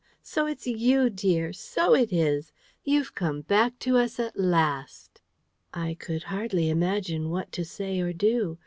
So it's YOU, dear; so it is! Then you've come back at last to us!" I could hardly imagine what to say or do.